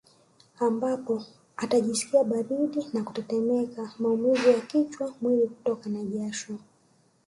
Ambapo atajisikia baridi na kutetemeka maumivu ya kichwa mwili Kutokwa na jasho